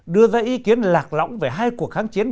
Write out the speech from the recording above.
đưa ra ý kiến lạc lõng về hai cuộc kháng chiến